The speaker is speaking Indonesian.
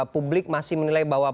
publik masih menilai bahwa